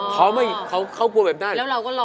เขากลัวแบบนั้น